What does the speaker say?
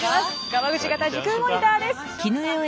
ガマグチ型時空モニターです。